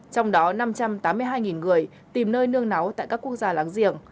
trong đó năm trăm tám mươi hai người tìm nơi nương náu tại các quốc gia láng giềng